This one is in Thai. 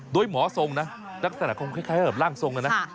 ด้วยหมอทรงนักศนาคมคล้ายล่างทรง